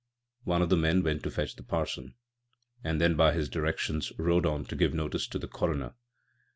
One of the men went to fetch the parson, and then by his directions rode on to give notice to the coroner.